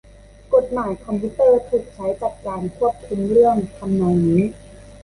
กฎหมายคอมพิวเตอร์ถูกใช้จัดการควบคุมเรื่องทำนองนี้